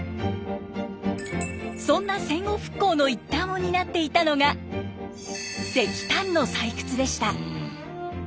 そんな戦後復興の一端を担っていたのが石炭の採掘でした。